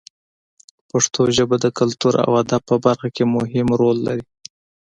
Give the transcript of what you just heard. پښتو ژبه د کلتور او ادب په برخه کې مهم رول لري.